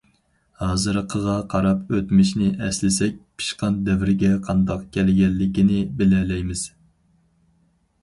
ھازىرقىغا قاراپ ئۆتمۈشنى ئەسلىسەك، پىشقان دەۋرگە قانداق كەلگەنلىكىنى بىلەلەيمىز.